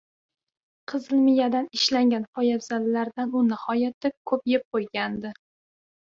Qizilmiyadan ishlangan poyafzallardan u nihoyatda ko‘p yeb qo‘ygandi.